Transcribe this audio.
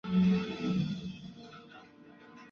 咨询专家